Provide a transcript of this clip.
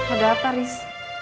ada apa aris